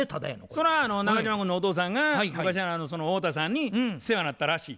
それは中島君のお父さんが昔その太田さんに世話なったらしい。